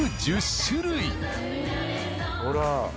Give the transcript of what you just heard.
ほら。